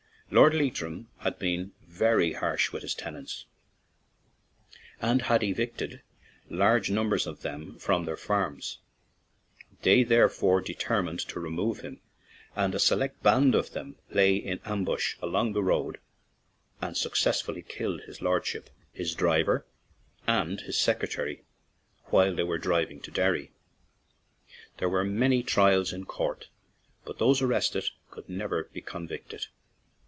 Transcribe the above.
Lord Leitrim had been very harsh with his tenants and had evicted large numbers of 18 o a z H o f o o CO r r *! o o d Z *! o z H O > PORT SALON TO DUNFANAGHY them from their farms; they therefore de termined to "remove" him, and a select band of them lay in ambush along the road and succeeded in killing his lordship, his driver, and his secretary while they were driving to Derry. There were many trials in court, but those arrested could never be convicted.